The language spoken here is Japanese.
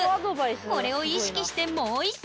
これを意識してもう一戦！